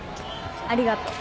ありがとう。